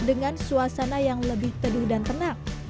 dengan suasana yang lebih teduh dan tenang